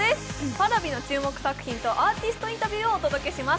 Ｐａｒａｖｉの注目作品とアーティストインタビューをお届けします。